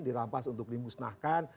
dilampas untuk dimusnahkan